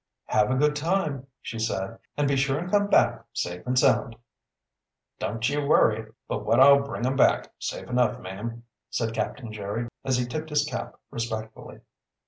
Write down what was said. "Have a good time," she said. "And be sure and come back safe and sound." "Don't ye worry but what I'll bring 'em back safe enough, ma'am," said Captain Jerry, as he tipped his cap respectfully.